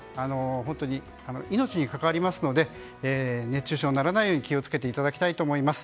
本当に命に関わりますので熱中症にならないように気を付けていただきたいと思います。